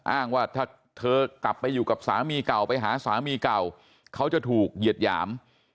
อ้างว่าถ้าเธอกลับไปอยู่กับสามีเก่าไปหาสามีเก่าเขาจะถูกเหยียดหยาม